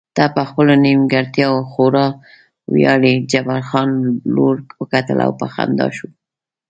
ته په خپلو نیمګړتیاوو خورا ویاړې، جبار خان لوړ وکتل او په خندا شو.